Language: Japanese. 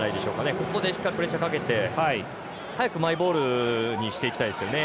ここでしっかりプレッシャーをかけて早くマイボールにしていきたいですね。